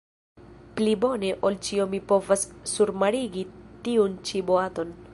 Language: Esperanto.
Pli bone ol ĉio mi povis surmarigi tiun-ĉi boaton.